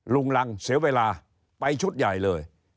ลุงรังเสียเวลาไปชุดใหญ่เลย